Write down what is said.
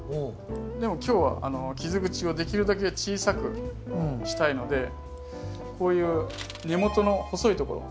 でも今日は傷口をできるだけ小さくしたいのでこういう根元の細いところ。を切る？